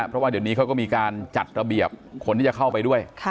เพราะว่าเดี๋ยวนี้เขาก็มีการจัดระเบียบคนที่จะเข้าไปด้วย